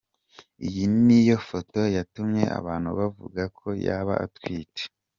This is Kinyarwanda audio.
Iyi niyo foto yatumye abantu bavuga ko yaba atwite.